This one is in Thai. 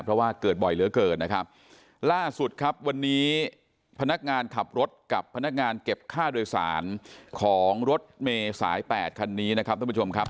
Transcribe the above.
เพราะว่าเกิดบ่อยเหลือเกินนะครับล่าสุดครับวันนี้พนักงานขับรถกับพนักงานเก็บค่าโดยสารของรถเมย์สายแปดคันนี้นะครับท่านผู้ชมครับ